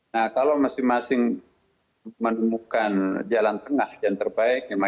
nah kalau masing masing menemukan jalan tengah yang terbaik